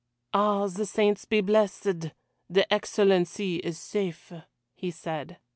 "Ah, the saints be blessed, the Excellency is safe," he said.